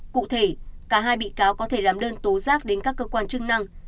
cụ thể cả hai bị cáo có thể làm đơn tố giác đến các cơ quan chức năng